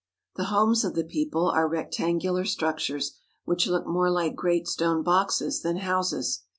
The homes of the people are rectangular structures, which look more like great stone boxes than houses.